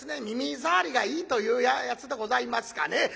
耳ざわりがいいというやつでございますかね。